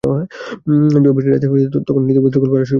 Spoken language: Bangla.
ঝড়বৃষ্টির রাতে যখনি ভূতের গল্পের আসর বসেছে, আমি এই গল্প বলেছি।